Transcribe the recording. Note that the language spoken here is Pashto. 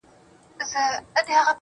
ددې ښكلا~